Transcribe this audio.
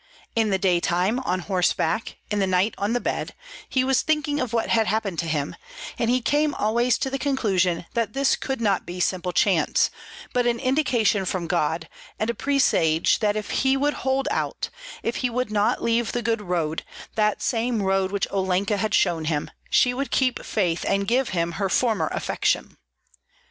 In the daytime on horseback, in the night on the bed, he was thinking of what had happened to him, and he came always to the conclusion that this could not be simple chance, but an indication from God, and a presage that if he would hold out, if he would not leave the good road, that same road which Olenka had shown him, she would keep faith and give him her former affection.